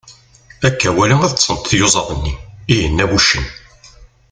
Akka wala ad ṭṭsent tyuzaḍ-nni, i yenna wuccen.